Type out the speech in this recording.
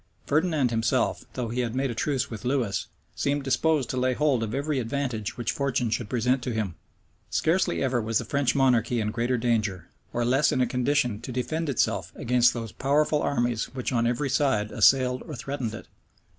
Ferdinand himself, though he had made a truce with Lewis, seemed disposed to lay hold of every advantage which fortune should present to him. Scarcely ever was the French monarchy in greater danger, or less in a condition to defend itself against those powerful armies which on every side assailed or threatened it.